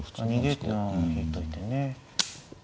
引いといてね。